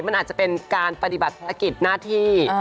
มันอาจจะเป็นการปฏิบัติภักษณ์นาธิ